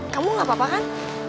kamu gak apa apa kan